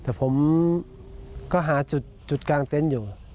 แต่ผมก็หาจุดกลางเต็นต์อยู่